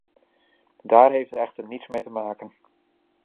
Daar heeft het echter niets mee te maken.